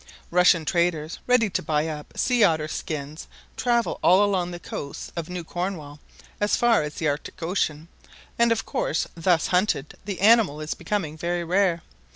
Russian traders, ready to buy up sea otter skins, travel all along the coasts of New Cornwall as far as the Arctic Ocean; and of course, thus hunted, the animal is becoming very rare.